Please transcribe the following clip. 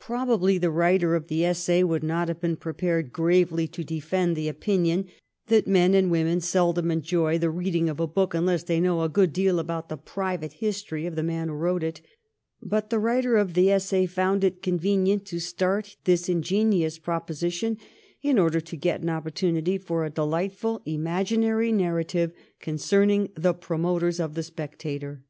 Probably the writer of the essay would not have been prepared gravely to defend the opinion that men and women seldom enjoy the reading of a book unless they know a good deal about the private history of the man who wrote it ; but the writer of the essay found it convenient to start this ingenious proposition in order to get an opportunity for a delightful imaginary narrative concerning the pro moters of 'The Spectator.'